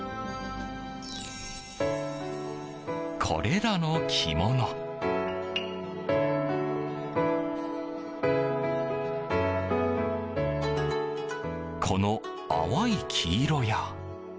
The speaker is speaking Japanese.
これらの着物この淡い黄色や。